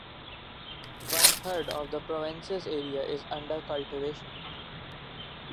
One third of the province's area is under cultivation.